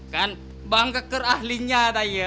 kan bang keker ahlinya tayo